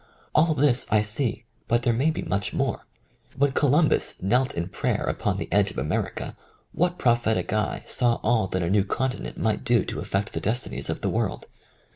All this I see, but there may be much more. When Columbus knelt in prayer upon the edge of America, what prophetic eye saw all that a new continent might do to affect the destinies of the world?